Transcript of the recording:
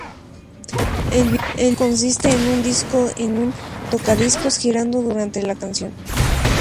El video consiste en un disco en un Tocadiscos girando durante la canción.